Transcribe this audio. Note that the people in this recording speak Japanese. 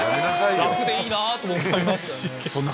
楽でいいなぁと思いますね。